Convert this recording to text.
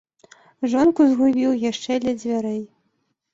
Жонку згубіў яшчэ ля дзвярэй.